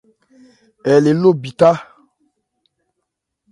Ɛ le ló bithá.